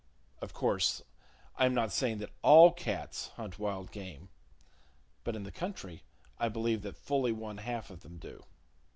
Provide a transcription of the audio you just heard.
Of course I am not saying that all cats hunt wild game; but in the country I believe that fully one half of them do.